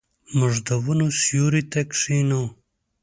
موږ د ونو سیوري ته کښینو.